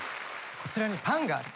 こちらにパンがあります。